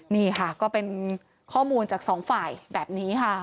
นี่ค่ะก็เป็นข้อมูลจากสองฝ่ายแบบนี้ค่ะ